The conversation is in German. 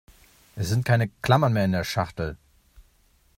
Es sind keine Klammern mehr in der Schachtel.